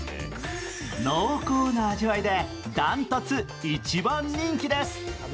濃厚な味わいで断トツ一番人気です。